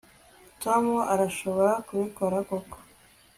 tom arashobora kubikora koko